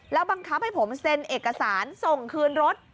บังคับให้ผมเซ็นเอกสารส่งคืนรถ